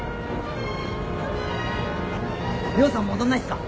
涼さんも踊んないすか？